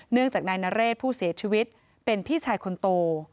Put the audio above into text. เนื่องจากนายนเรศผู้เสียชีวิตเป็นพี่ชายคนโต